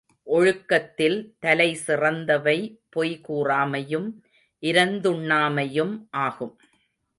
ஒழுக்கத்தில் தலை சிறந்தவை பொய் கூறாமையும், இரந்துண்ணாமையும் ஆகும்.